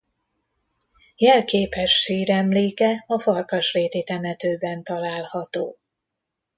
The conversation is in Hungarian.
Jelképes síremléke a Farkasréti temetőben található.